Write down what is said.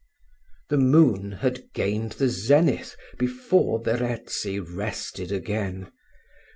The moon had gained the zenith before Verezzi rested again.